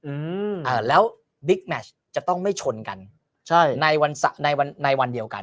อืมอ่าแล้วบิ๊กแมชจะต้องไม่ชนกันใช่ในวันในวันในวันเดียวกัน